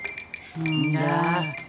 んだ。